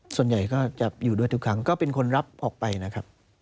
ส่วนใหญ่ก็จะอยู่ด้วยทุกครั้งก็เป็นคนรับออกไปนะครับ